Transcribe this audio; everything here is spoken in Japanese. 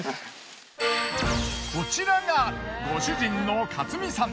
こちらがご主人の勝三さん。